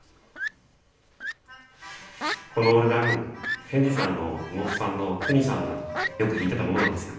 このオルガン賢治さんの妹さんのクニさんがよく弾いてたものなんですよ。